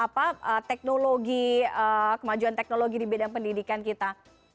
apa teknologi kemajuan teknologi di bidang pendidikan kita